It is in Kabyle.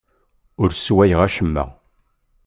Ur sswayeɣ acemma.